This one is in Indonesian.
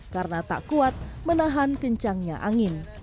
karena tak kuat menahan kencangnya angin